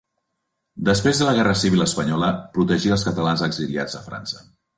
Després de la guerra civil espanyola protegí els catalans exiliats a França.